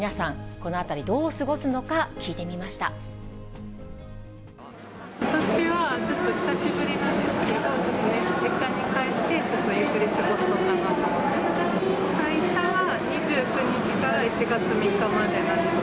ことしはちょっと久しぶりなんですけど、実家に帰って、ゆっくり過ごそうかなと思ってます。